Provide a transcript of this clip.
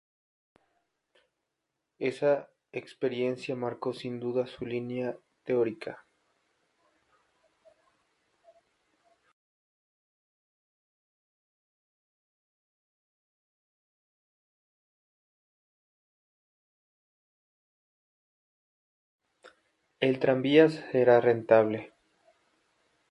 El tranvía será rentable".